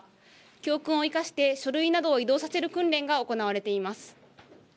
教訓を生かして書類などを移動させる訓練が行われています。